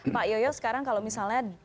pak yoyo sekarang kalau misalnya